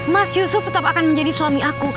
mas yusuf tetap akan menjadi suami aku